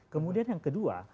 kemudian yang kedua